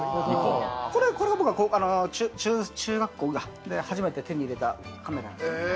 これは中学校で初めて手に入れたカメラなんです。